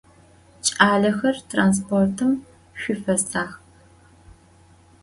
Ç'alexer, transportım şsufesakh!